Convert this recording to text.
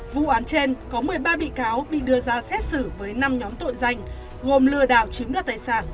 vụ án trên có một mươi ba bị cáo bị đưa ra xét xử với năm nhóm tội danh gồm lừa đảo chiếm đoạt tài sản